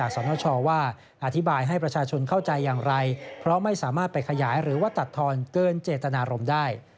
ส่วนเข้าใจอย่างไรเพราะไม่สามารถไปขยายหรือว่าตัดทอนเกินเจตนารมณ์ได้